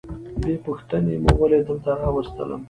بې پوښتنې مو ولي دلته راوستلم؟